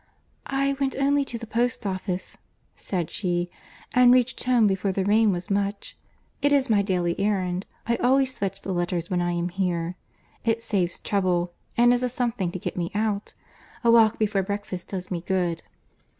"I went only to the post office," said she, "and reached home before the rain was much. It is my daily errand. I always fetch the letters when I am here. It saves trouble, and is a something to get me out. A walk before breakfast does me good."